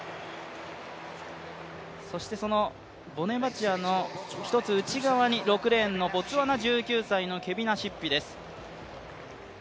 そしてそのボネバチアの一つ内側に６レーンのボツワナ１９歳のケビナシッピです。